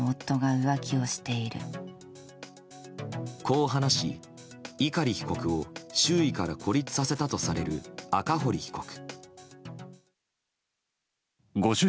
こう話し、碇被告を周囲から孤立させたとされる赤堀被告。